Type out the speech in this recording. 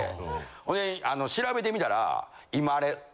ほんで調べてみたら今あれ。